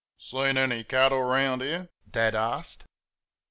"Seen any cattle round here?" Dad asked.